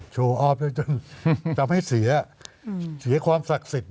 โชว์ออฟได้จนทำให้เสียเสียความศักดิ์สิทธิ